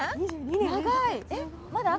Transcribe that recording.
長い！